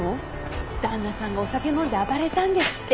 旦那さんがお酒飲んで暴れたんですって。